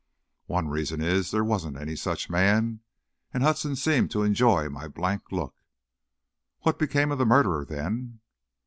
"One reason is, there wasn't any such man," and Hudson seemed to enjoy my blank look. "What became of the murderer, then?"